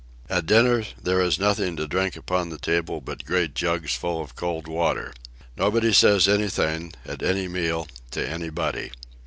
At dinner, there is nothing to drink upon the table, but great jugs full of cold water. Nobody says anything, at any meal, to anybody.